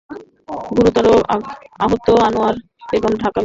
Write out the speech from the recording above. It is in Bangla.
গুরুতর আহত আনোয়ারা বেগমকে ঢাকা মেডিকেল কলেজ হাসপাতালে ভর্তি করা হয়েছে।